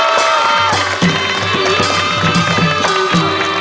มีชื่อว่าโนราตัวอ่อนครับ